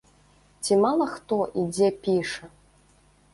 Ці мала хто і дзе піша!!